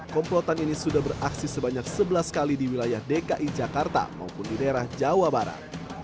komplotan ini sudah beraksi sebanyak sebelas kali di wilayah dki jakarta maupun di daerah jawa barat